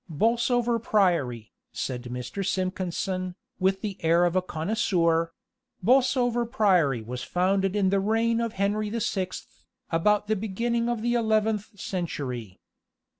"Bolsover Priory," said Mr. Simpkinson, with the air of a connoisseur "Bolsover Priory was founded in the reign of Henry the Sixth, about the beginning of the eleventh century.